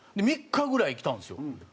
３日ぐらい来たんですよ。